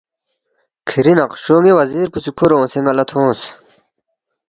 کِھری نقشو ن٘ی وزیر پو سی کھُورے اونگسے ن٘ا لہ تھونگس